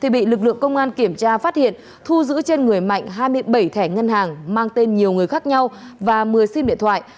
bị lực lượng công an kiểm tra phát hiện thu giữ trên người mạnh hai mươi bảy thẻ ngân hàng mang tên nhiều người khác nhau và một mươi sim điện thoại